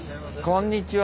こんにちは。